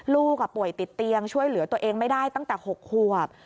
ลูกป่วยติดเตียงช่วยเหลือตัวเองไม่ได้ตั้งแต่๖ขวบ